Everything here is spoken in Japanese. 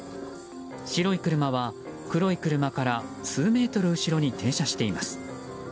白い車は、黒い車から数メートル後ろに停車しています。